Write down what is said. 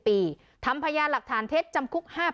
ปอล์กับโรเบิร์ตหน่อยไหมครับ